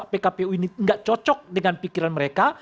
pkpu ini tidak cocok dengan pikiran mereka